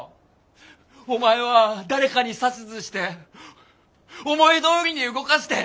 お前は誰かに指図して思いどおりに動かして。